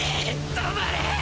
止まれ！